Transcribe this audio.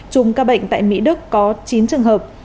chùm ca bệnh tại mỹ đức có chín trường hợp